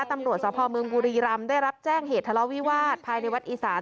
ตำรวจสภเมืองบุรีรำได้รับแจ้งเหตุทะเลาวิวาสภายในวัดอีสาน